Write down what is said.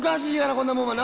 こんなもんはな